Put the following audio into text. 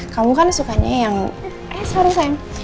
kamu kan sukanya yang eh sorry sayang